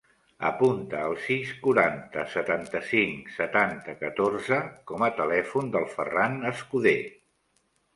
Apunta el sis, quaranta, setanta-cinc, setanta, catorze com a telèfon del Ferran Escuder.